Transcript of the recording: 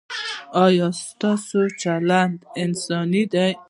ایا ستاسو چلند انساني دی؟